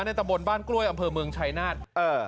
มาในตะเบิดบ้านกล้วยอํเผอเมืองชายนาศคุณค่ะ